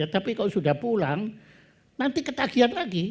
tapi kalau sudah pulang nanti ketagihan lagi